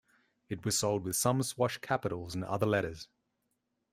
It was sold with some swash capitals and other letters.